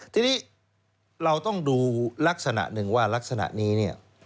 ทีนี้เราต้องดูลักษณะหนึ่งว่ารักษณะนี้เนี่ย